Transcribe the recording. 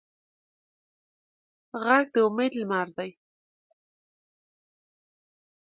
غږ د امید لمر دی